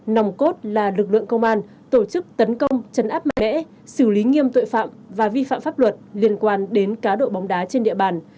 nòng cốt là lực lượng công an tổ chức tấn công chấn áp mạnh mẽ xử lý nghiêm tội phạm và vi phạm pháp luật liên quan đến cá độ bóng đá trên địa bàn